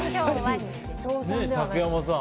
竹山さん